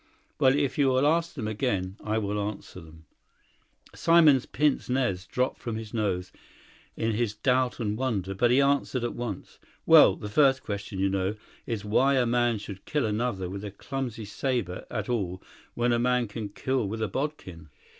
Well, if you will ask them again, I will answer them." Simon's pince nez dropped from his nose in his doubt and wonder, but he answered at once. "Well, the first question, you know, is why a man should kill another with a clumsy sabre at all when a man can kill with a bodkin?"